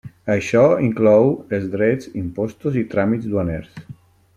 Això inclou els drets, impostos i tràmits duaners.